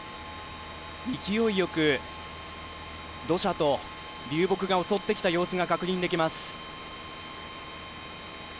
勢いよく土砂と流木が襲ってきた様子が確認できます。